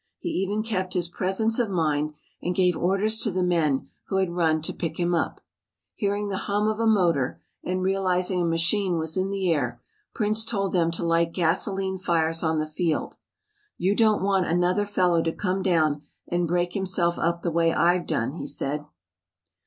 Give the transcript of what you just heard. He even kept his presence of mind and gave orders to the men who had run to pick him up. Hearing the hum of a motor, and realizing a machine was in the air, Prince told them to light gasoline fires on the field. "You don't want another fellow to come down and break himself up the way I've done," he said.